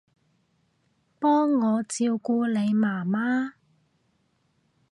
幫我照顧你媽媽